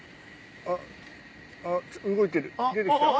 あっ動いてる出てきた。